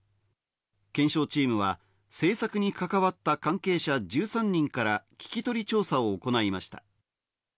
検証チームは制作に関わった関係者１３人から聞き取り調査を行いました。